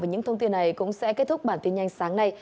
và những thông tin này cũng sẽ kết thúc bản tin nhanh sáng nay